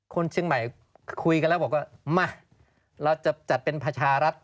คนเชียงใหม่คุยกันแล้วบอกว่ามา